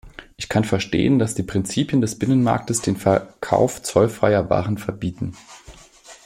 Ich kann verstehen, dass die Prinzipien des Binnenmarktes den Verkauf zollfreier Waren verbieten.